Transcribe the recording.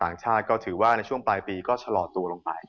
ต่างชาติก็ถือว่าในช่วงปลายปีก็ชะลอตัวลงไป